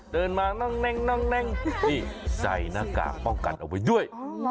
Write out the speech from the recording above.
เดินมานั่งแน่งนี่ใส่หน้ากากกลับไปด้วย